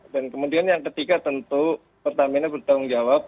kemudian yang ketiga tentu pertamina bertanggung jawab